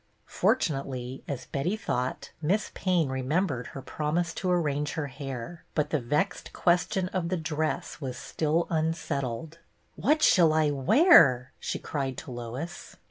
Fortu nately, as Betty thought. Miss Payne remem bered her promise to arrange her hair; but the vexed question of the dress was still unsettled. "What shall I wear.'*" she cried to Lois.